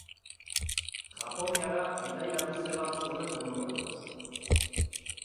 Japoniara bidaia luze bat zuen buruan.